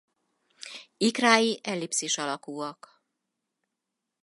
Ikrái ellipszis alakúak.